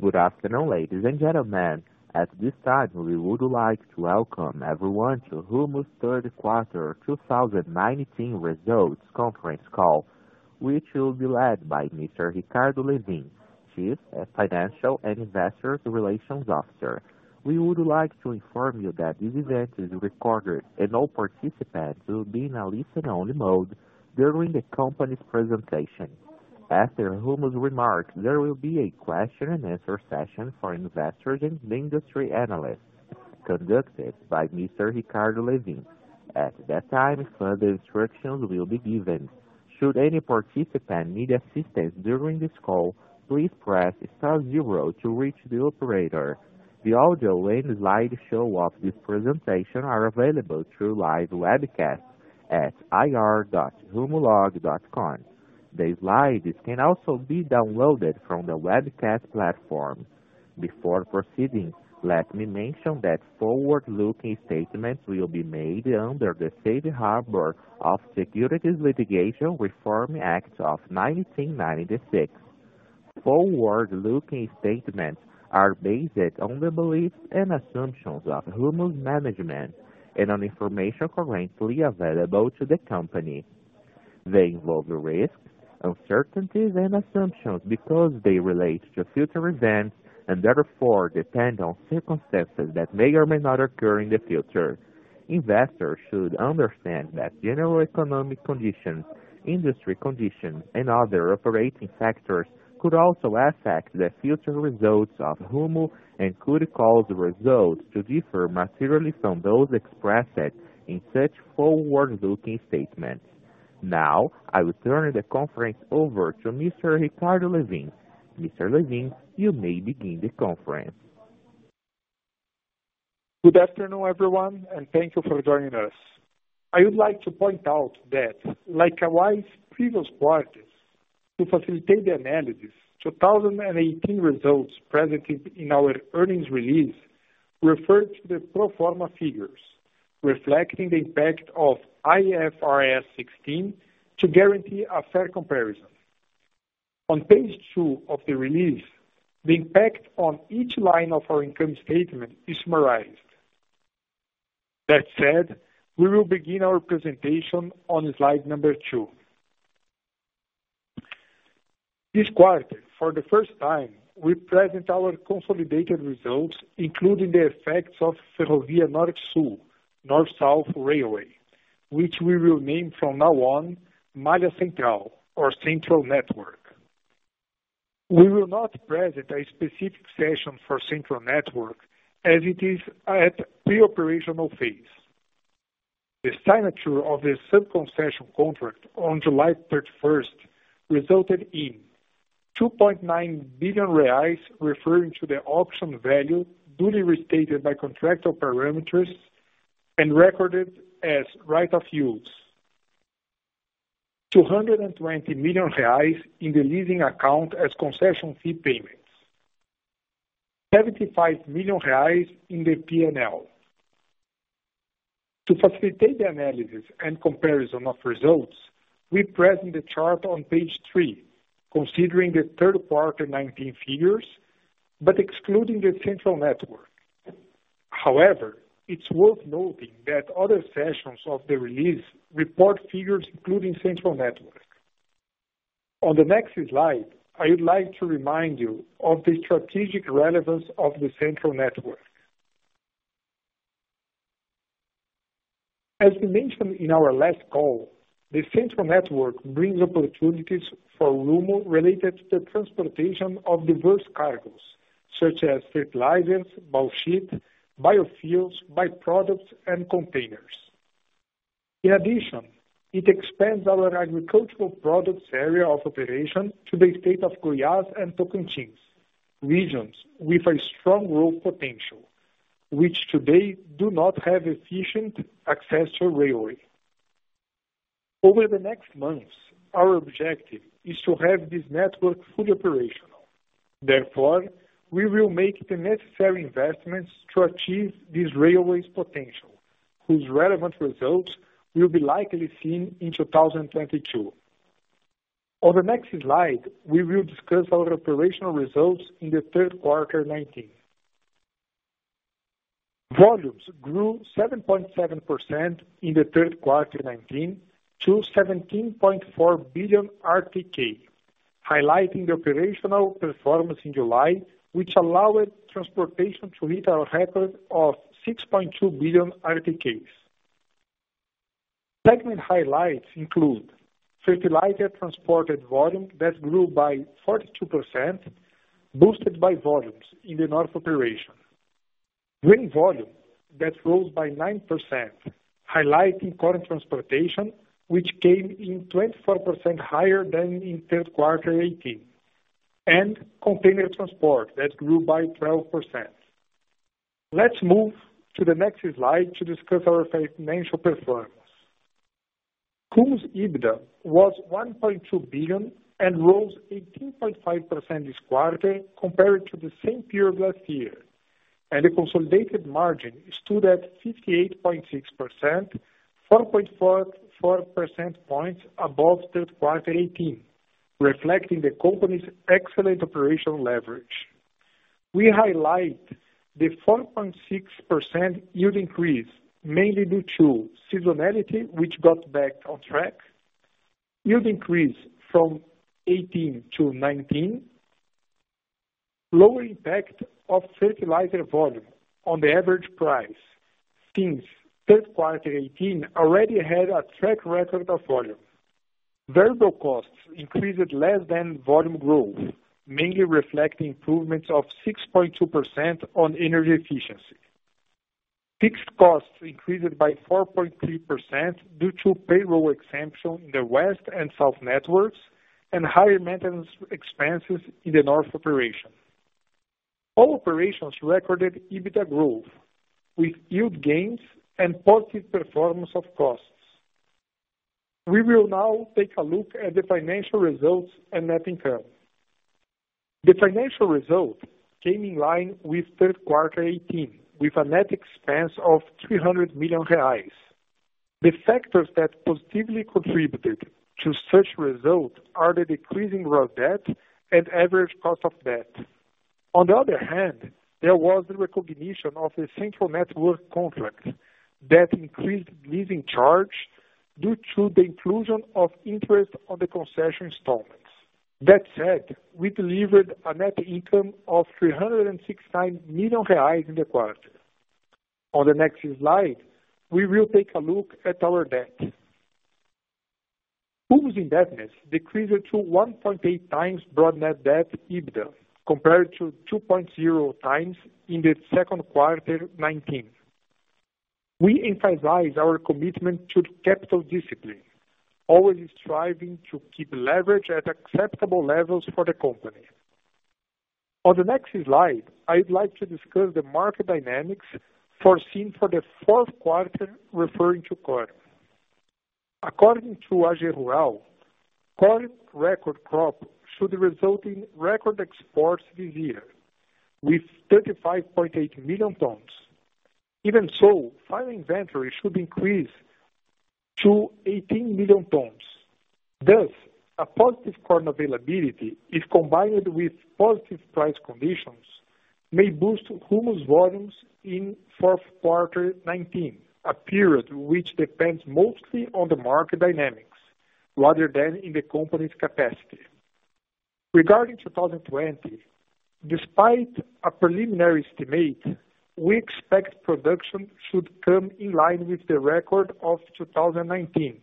Good afternoon, ladies and gentlemen. At this time, we would like to welcome everyone to Rumo's third quarter 2019 results conference call, which will be led by Mr. Ricardo Lewin, Chief Financial and Investor Relations Officer. We would like to inform you that this event is recorded, and all participants will be in a listen-only mode during the company's presentation. After Rumo's remarks, there will be a question and answer session for investors and industry analysts conducted by Mr. Ricardo Lewin. At that time, further instructions will be given. Should any participant need assistance during this call, please press star zero to reach the operator. The audio and slideshow of this presentation are available through live webcast at ir.rumolog.com. The slides can also be downloaded from the webcast platform. Before proceeding, let me mention that forward-looking statements will be made under the Safe Harbor of Securities Litigation Reform Act of 1996. Forward-looking statements are based on the beliefs and assumptions of Rumo's management and on information currently available to the company. They involve risks, uncertainties, and assumptions because they relate to future events and therefore depend on circumstances that may or may not occur in the future. Investors should understand that general economic conditions, industry conditions, and other operating factors could also affect the future results of Rumo and could cause the results to differ materially from those expressed in such forward-looking statements. Now, I will turn the conference over to Mr. Ricardo Lewin. Mr. Lewin, you may begin the conference. Good afternoon, everyone. Thank you for joining us. I would like to point out that like our previous quarters, to facilitate the analysis, 2018 results presented in our earnings release refer to the pro forma figures, reflecting the impact of IFRS 16 to guarantee a fair comparison. On page two of the release, the impact on each line of our income statement is summarized. That said, we will begin our presentation on slide number two. This quarter, for the first time, we present our consolidated results, including the effects of Ferrovia Norte-Sul, North-South Railway, which we will name from now on Malha Central or Central Network. We will not present a specific session for Central Network as it is at pre-operational phase. The signature of the sub-concession contract on July 31st resulted in 2.9 billion reais referring to the auction value duly restated by contractual parameters and recorded as right of use, 220 million reais in the leasing account as concession fee payments, 75 million reais in the P&L. To facilitate the analysis and comparison of results, we present the chart on page three, considering the third quarter 2019 figures, but excluding the Central Network. It's worth noting that other sections of the release report figures including Central Network. On the next slide, I would like to remind you of the strategic relevance of the Central Network. As we mentioned in our last call, the Central Network brings opportunities for Rumo related to the transportation of diverse cargos, such as fertilizers, bulk sugar, biofuels, by-products, and containers. It expands our agricultural products area of operation to the state of Goiás and Tocantins, regions with a strong growth potential, which today do not have efficient access to railway. Over the next months, our objective is to have this network fully operational. We will make the necessary investments to achieve this railway's potential, whose relevant results will be likely seen in 2022. On the next slide, we will discuss our operational results in the third quarter 2019. Volumes grew 7.7% in the third quarter 2019 to 17.4 billion RTK, highlighting the operational performance in July, which allowed transportation to hit our record of 6.2 billion RTKs. Segment highlights include fertilizer transported volume that grew by 42%, boosted by volumes in the north operation. Grain volume that rose by 9%, highlighting corn transportation, which came in 24% higher than in third quarter 2018, and container transport that grew by 12%. Let's move to the next slide to discuss our financial performance. Rumo's EBITDA was 1.2 billion and rose 18.5% this quarter compared to the same period last year. The consolidated margin stood at 58.6%, 4.44% points above third quarter 2018, reflecting the company's excellent operational leverage. We highlight the 4.6% yield increase, mainly due to seasonality, which got back on track. Yield increase from 2018 to 2019. Lower impact of fertilizer volume on the average price, since third quarter 2018 already had a track record of volume. Variable costs increased less than volume growth, mainly reflecting improvements of 6.2% on energy efficiency. Fixed costs increased by 4.3% due to payroll exemption in the West and South networks, and higher maintenance expenses in the North operation. All operations recorded EBITDA growth with yield gains and positive performance of costs. We will now take a look at the financial results and net income. The financial result came in line with third quarter 2018, with a net expense of 300 million reais. The factors that positively contributed to such result are the decreasing gross debt and average cost of debt. On the other hand, there was the recognition of the Central Network contracts that increased leasing charge due to the inclusion of interest on the concession installments. That said, we delivered a net income of 369 million reais in the quarter. On the next slide, we will take a look at our debt. Rumo's indebtedness decreased to 1.8 times broad net debt EBITDA compared to 2.0 times in the second quarter 2019. We emphasize our commitment to capital discipline, always striving to keep leverage at acceptable levels for the company. On the next slide, I'd like to discuss the market dynamics foreseen for the fourth quarter, referring to corn. According to AgRural, current record crop should result in record exports this year, with 35.8 million tons. Even so, final inventory should increase to 18 million tons. Thus, a positive corn availability, if combined with positive price conditions, may boost Rumo's volumes in fourth quarter 2019, a period which depends mostly on the market dynamics rather than in the company's capacity. Regarding 2020, despite a preliminary estimate, we expect production should come in line with the record of 2019,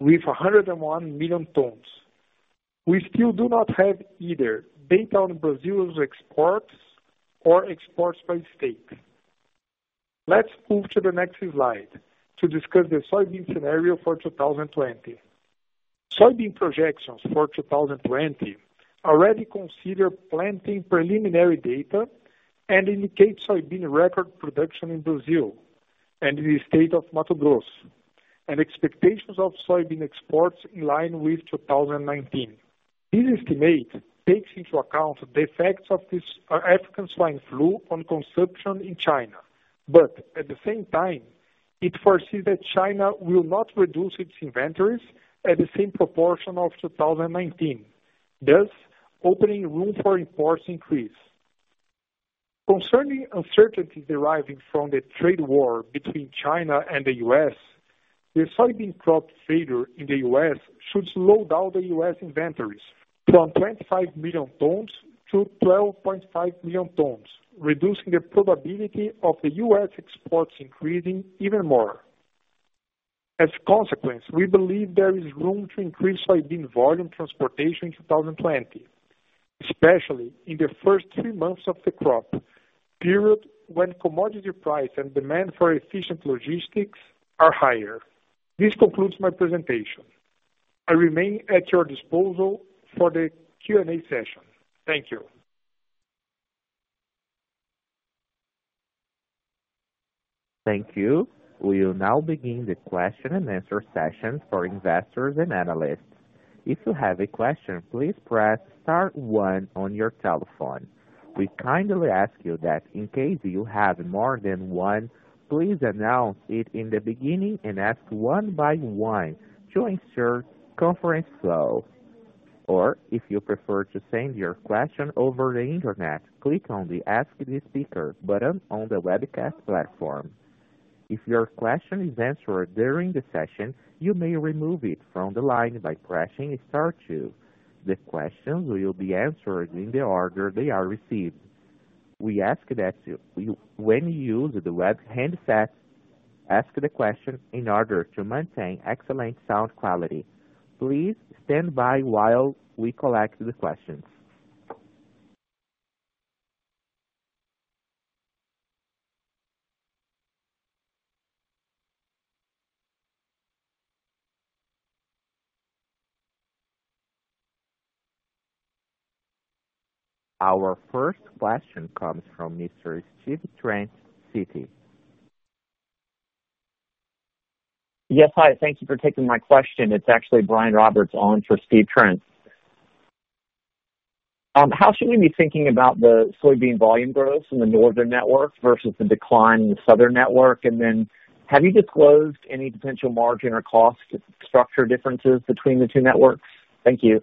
with 101 million tons. We still do not have either data on Brazil's exports or exports by state. Let's move to the next slide to discuss the soybean scenario for 2020. Soybean projections for 2020 already consider planting preliminary data and indicate soybean record production in Brazil and in the state of Mato Grosso, and expectations of soybean exports in line with 2019. This estimate takes into account the effects of this African swine fever on consumption in China. At the same time, it foresees that China will not reduce its inventories at the same proportion of 2019, thus opening room for imports increase. Concerning uncertainties deriving from the trade war between China and the U.S., the soybean crop failure in the U.S. should slow down the U.S. inventories from 25 million tons to 12.5 million tons, reducing the probability of the U.S. exports increasing even more. As a consequence, we believe there is room to increase soybean volume transportation in 2020, especially in the first three months of the crop, period when commodity price and demand for efficient logistics are higher. This concludes my presentation. I remain at your disposal for the Q&A session. Thank you. Thank you. We'll now begin the question and answer session for investors and analysts. If you have a question, please press star one on your telephone. We kindly ask you that in case you have more than one, please announce it in the beginning and ask one by one to ensure conference flow. If you prefer to send your question over the Internet, click on the Ask the Speaker button on the webcast platform. If your question is answered during the session, you may remove it from the line by pressing star two. The questions will be answered in the order they are received. We ask that you, when you use the web handset, ask the question in order to maintain excellent sound quality. Please stand by while we collect the questions. Our first question comes from Mr. Steve Trent, Citi. Yes. Hi, thank you for taking my question. It's actually Brian Roberts on for Steve Trent. How should we be thinking about the soybean volume growth in the northern network versus the decline in the southern network? Have you disclosed any potential margin or cost structure differences between the two networks? Thank you.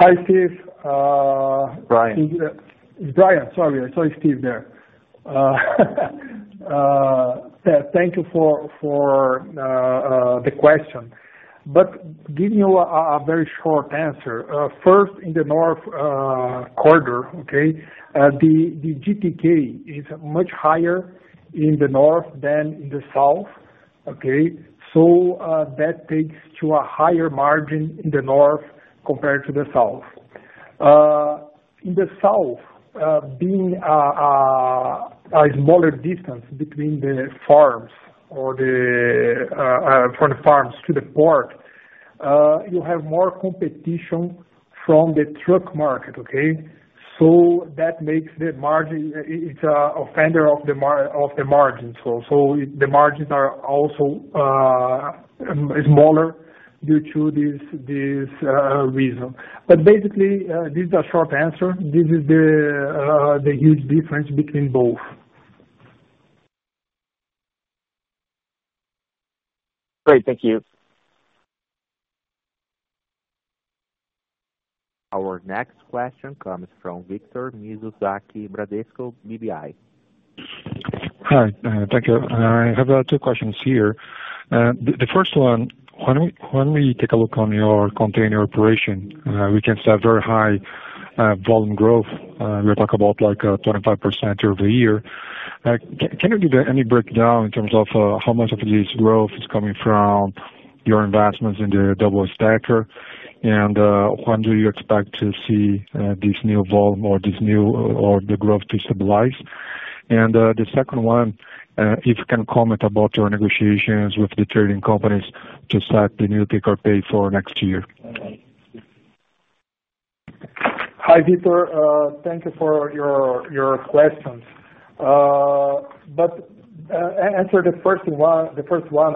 Hi, Steve. Brian. Brian, sorry, I saw Steve there. Thank you for the question. Giving you a very short answer. First, in the north corridor, the GTK is much higher in the north than in the south. That takes to a higher margin in the north compared to the south. In the south, being a smaller distance between the farms or from the farms to the port, you have more competition from the truck market. That makes the margin, it's an offender of the margin. The margins are also smaller due to this reason. Basically, this is a short answer. This is the huge difference between both. Great. Thank you. Our next question comes from Victor Mizusaki, Bradesco BBI. Hi. Thank you. I have two questions here. The first one, when we take a look on your container operation, we can see a very high volume growth. We are talking about 25% over year. Can you give any breakdown in terms of how much of this growth is coming from your investments in the double-stacker? When do you expect to see this new volume or the growth to stabilize? The second one, if you can comment about your negotiations with the trading companies to set the new take-or-pay for next year. Hi, Victor. Thank you for your questions. Answer the first one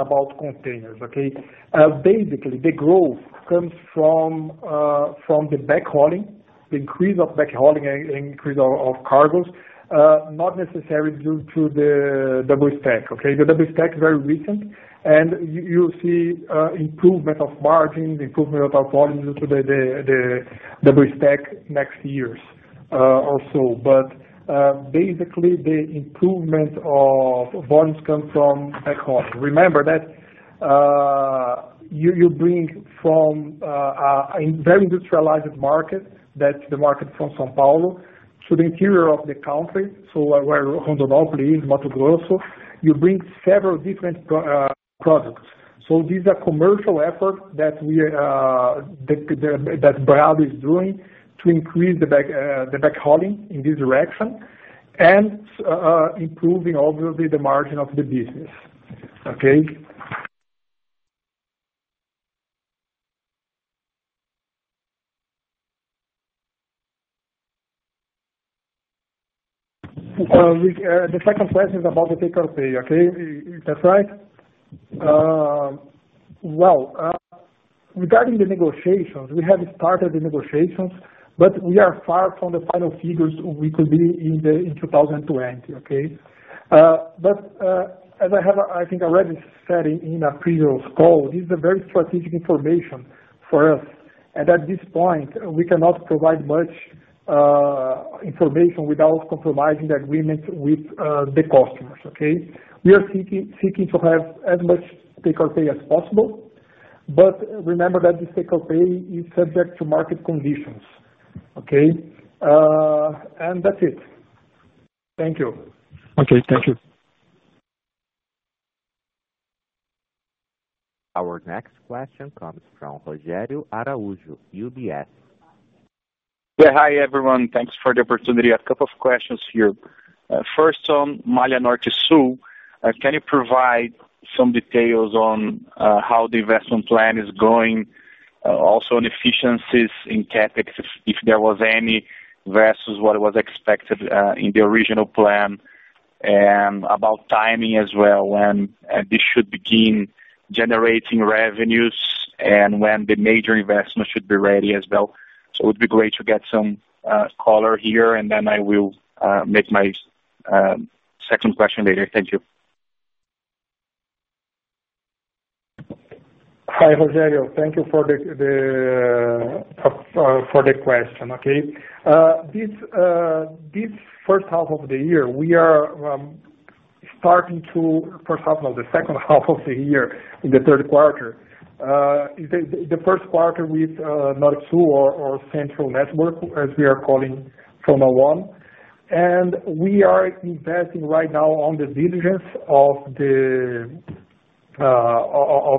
about containers. Basically, the growth comes from the backhauling, the increase of backhauling and increase of cargos, not necessarily due to the double stack. The double stack is very recent, and you will see improvement of margin, improvement of our volumes due to the double stack next years or so. Basically, the improvement of volumes come from backhaul. Remember that you bring from a very industrialized market, that's the market from São Paulo, to the interior of the country. Where Rondônia probably is, Mato Grosso, you bring several different products. These are commercial efforts that Brado is doing to increase the backhauling in this direction and improving obviously the margin of the business. The second question is about the take-or-pay. Is that right? Well, regarding the negotiations, we have started the negotiations, but we are far from the final figures we could be in 2020. As I have, I think, already said in a previous call, this is a very strategic information for us. At this point, we cannot provide much information without compromising the agreements with the customers. We are seeking to have as much take-or-pay as possible, but remember that this take-or-pay is subject to market conditions. That's it. Thank you. Okay. Thank you. Our next question comes from Rogério Araújo, UBS. Yeah. Hi, everyone. Thanks for the opportunity. A couple of questions here. First on Malha Norte Sul, can you provide some details on how the investment plan is going? Also on efficiencies in CapEx, if there was any versus what was expected in the original plan, and about timing as well, when this should begin generating revenues and when the major investment should be ready as well. It would be great to get some color here. I will make my second question later. Thank you. Hi, Rogério. Thank you for the question. The second half of the year, in the third quarter. The first quarter with Norte-Sul or Central Network, as we are calling Tronco 1. We are investing right now on the diligence of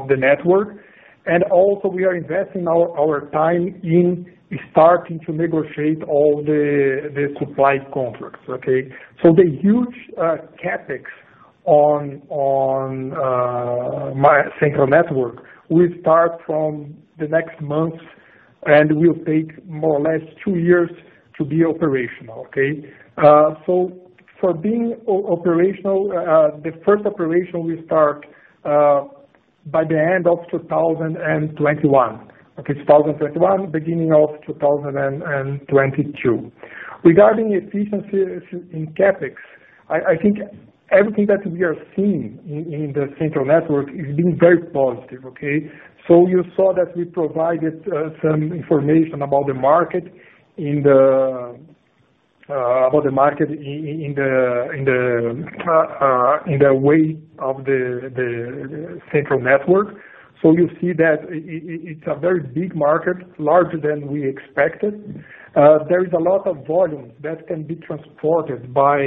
the network. Also we are investing our time in starting to negotiate all the supply contracts. The huge CapEx on my Central Network will start from the next month and will take more or less two years to be operational. For being operational, the first operation will start by the end of 2021, beginning of 2022. Regarding efficiencies in CapEx, I think everything that we are seeing in the Central Network is being very positive. You saw that we provided some information about the market in the way of the Central Network. You see that it's a very big market, larger than we expected. There is a lot of volume that can be transported by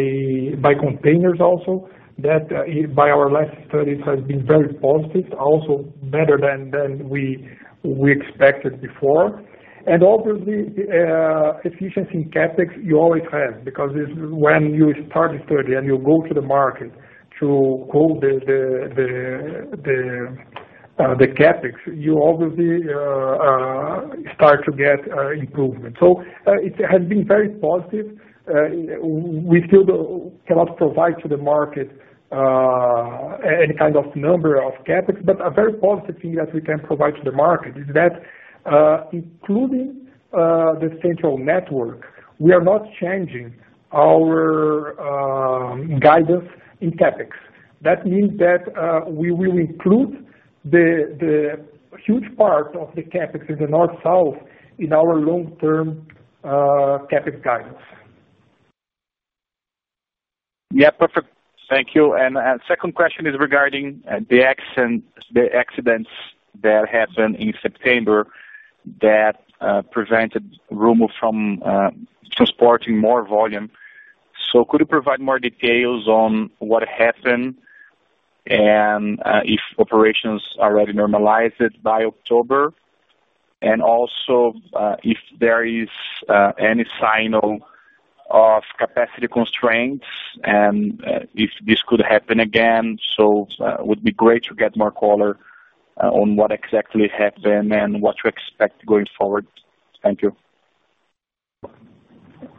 containers also, that by our last studies has been very positive, also better than we expected before. Obviously, efficiency in CapEx, you always have, because when you start a study and you go to the market to call the CapEx, you obviously start to get improvement. It has been very positive. We still cannot provide to the market any kind of number of CapEx, but a very positive thing that we can provide to the market is that, including the Central Network, we are not changing our guidance in CapEx. That means that we will include the huge part of the CapEx in the North-South in our long-term CapEx guidance. Yeah, perfect. Thank you. Second question is regarding the accidents that happened in September that prevented Rumo from transporting more volume. Could you provide more details on what happened and if operations already normalized by October? Also, if there is any sign of capacity constraints and if this could happen again. It would be great to get more color on what exactly happened and what to expect going forward. Thank you.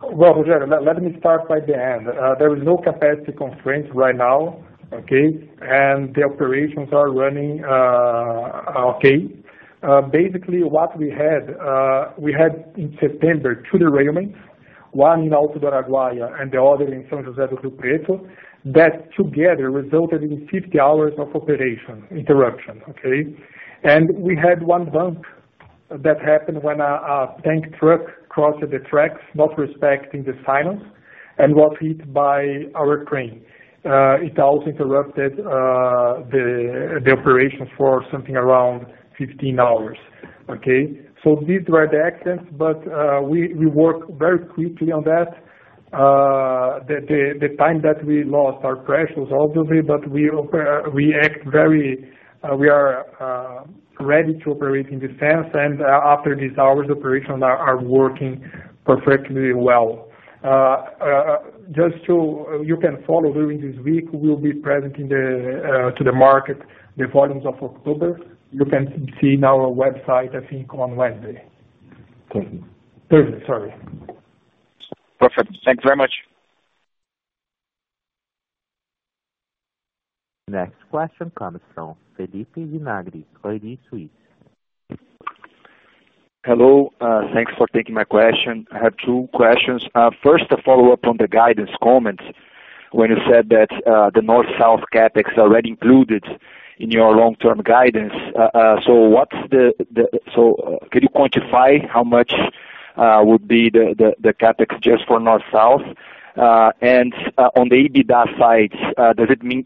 Well, Rogério, let me start by the end. There is no capacity constraints right now, and the operations are running okay. Basically, what we had, we had in September two derailments, one in Alto Araguaia and the other in São José do Rio Preto, that together resulted in 50 hours of operation interruption. We had one bump that happened when a tank truck crossed the tracks, not respecting the signals, and was hit by our crane. It also interrupted the operations for something around 15 hours. These were the accidents, but we work very quickly on that. The time that we lost, our pressures obviously, but we are ready to operate in defense, after these hours, operations are working perfectly well. Just so you can follow, during this week, we'll be presenting to the market the volumes of October. You can see in our website, I think on Wednesday. Thursday. Thursday. Sorry. Perfect. Thank you very much. Next question comes from Felipe Vinagre, Credit Suisse. Hello. Thanks for taking my question. I have two questions. First, a follow-up on the guidance comments when you said that the North-South CapEx already included in your long-term guidance. Can you quantify how much would be the CapEx just for North-South? On the EBITDA side, does it mean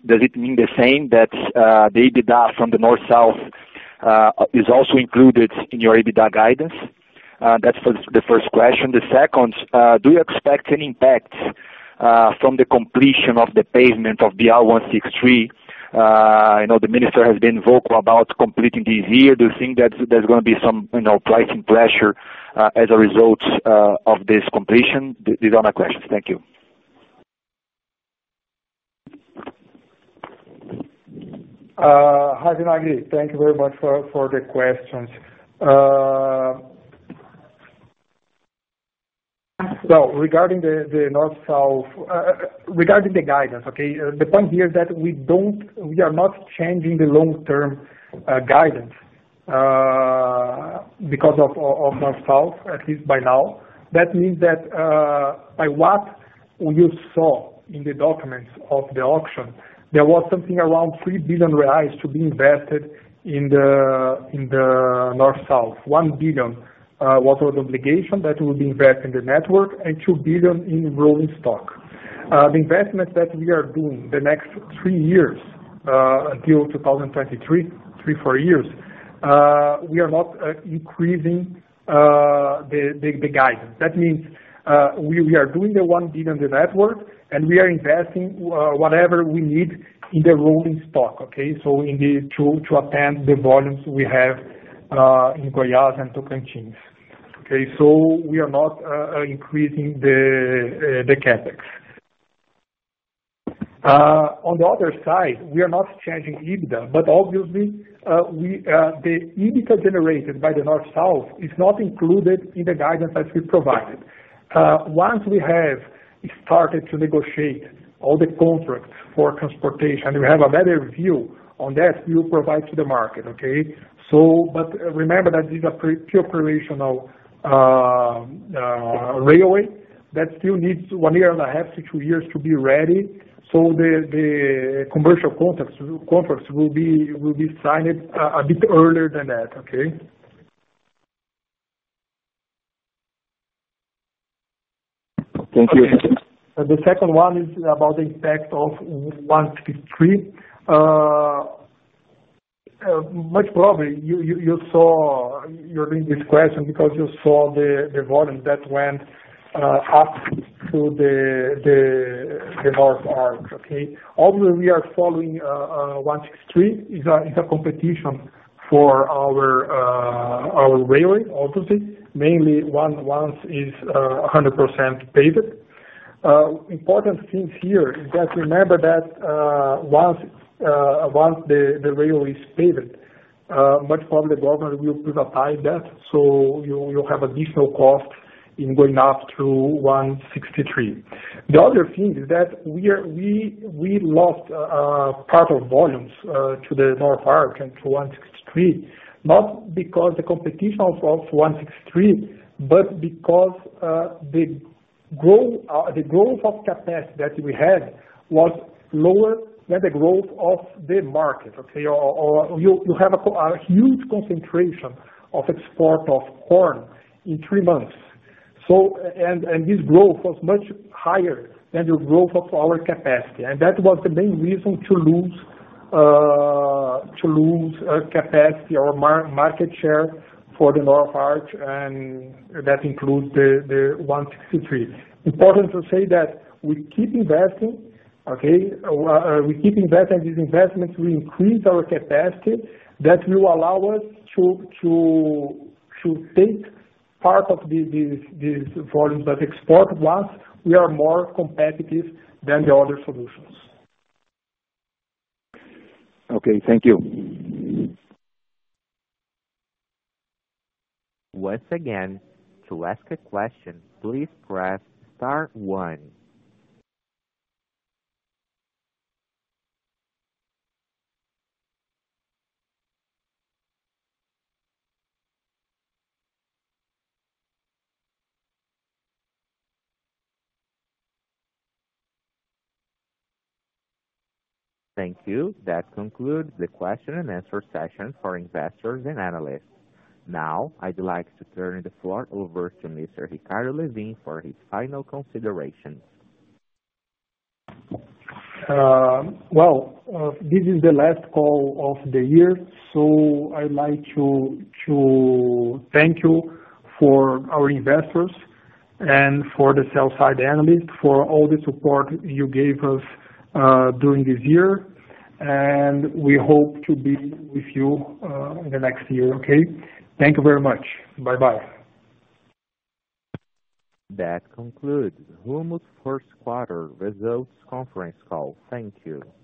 the same that the EBITDA from the North-South is also included in your EBITDA guidance? That's for the first question. The second, do you expect any impact from the completion of the pavement of the BR-163? I know the minister has been vocal about completing this year. Do you think that there's going to be some pricing pressure as a result of this completion? These are my questions. Thank you. Hi, Vinagre. Thank you very much for the questions. Regarding the guidance, the point here is that we are not changing the long-term guidance because of North-South, at least by now. That means that by what you saw in the documents of the auction, there was something around 3 billion reais to be invested in the North-South, 1 billion was an obligation that will be invested in the network, and 2 billion in rolling stock. The investment that we are doing the next three, four years, until 2023. We are not increasing the guidance. That means we are doing the 1 billion, the network, and we are investing whatever we need in the rolling stock. To attend the volumes we have in Goiás and Tocantins. We are not increasing the CapEx. On the other side, we are not changing EBITDA, but obviously, the EBITDA generated by the North-South is not included in the guidance that we provided. Once we have started to negotiate all the contracts for transportation, we have a better view on that, we will provide to the market. Remember that this is a pre-operational railway that still needs one year and a half to two years to be ready. The commercial contracts will be signed a bit earlier than that. Thank you. The second one is about the impact of BR-163. Much probably you're doing this question because you saw the volume that went up through the Arco Norte. Obviously, we are following BR-163. It's a competition for our railway, obviously, mainly once it's 100% paved. Important thing here is that remember that once the rail is paved, much probably government will pre-apply that, so you'll have additional cost in going up to BR-163. The other thing is that we lost part of volumes to the Arco Norte and to BR-163, not because the competition of BR-163, but because the growth of capacity that we had was lower than the growth of the market. You have a huge concentration of export of corn in three months. This growth was much higher than the growth of our capacity, and that was the main reason to lose capacity or market share for the Arco Norte, and that includes the 163. Important to say that we keep investing. With these investments, we increase our capacity. That will allow us to take part of these volumes that export once we are more competitive than the other solutions. Okay, thank you. Once again, to ask a question, please press star one. Thank you. That concludes the question and answer session for investors and analysts. Now, I'd like to turn the floor over to Mr. Ricardo Lewin for his final considerations. Well, this is the last call of the year. I'd like to thank you for our investors and for the sell-side analysts for all the support you gave us during this year. We hope to be with you in the next year. Thank you very much. Bye-bye. That concludes Rumo's first quarter results conference call. Thank you.